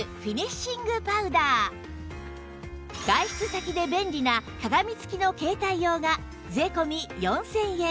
外出先で便利な鏡付きの携帯用が税込４０００円